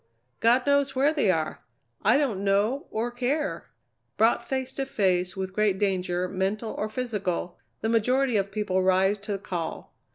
God knows where they are! I don't know or care." Brought face to face with great danger, mental or physical, the majority of people rise to the call.